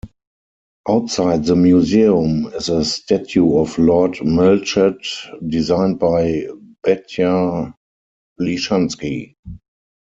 Outside the museum is a statue of Lord Melchett designed by Batya Lishansky.